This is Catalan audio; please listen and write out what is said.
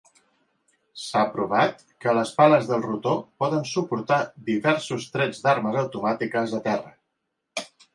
S'ha provat que les pales del rotor poden suportar diversos trets d'armes automàtiques a terra.